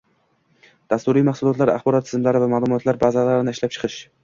dasturiy mahsulotlar, axborot tizimlari va ma'lumotlar bazalarini ishlab chiqish